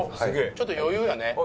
ちょっと余裕やね。